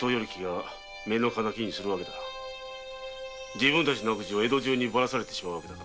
自分たちの悪事が江戸中にバラされてしまうわけだからな。